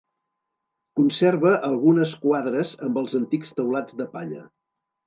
Conserva algunes quadres amb els antics teulats de palla.